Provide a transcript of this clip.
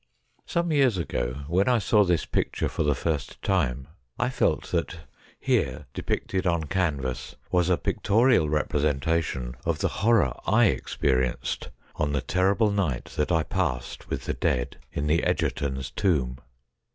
Some years ago, when I saw this picture for the first time, I felt that here, depicted on canvas, was a pictorial representa tion of the horror I experienced on the terrible night that I passed with the dead in the Egertons' tomb.